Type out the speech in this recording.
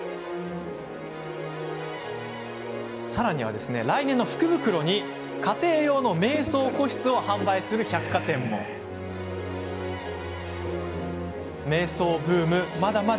さらには、来年の福袋に家庭用の瞑想個室を販売する百貨店もあります。